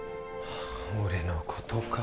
俺のことか